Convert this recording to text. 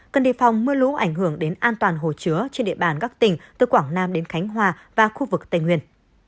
cần đề phòng mưa lũ ảnh hưởng đến an toàn hồ chứa trên địa bàn các tỉnh từ quảng nam đến khánh hòa và khu vực tây nguyên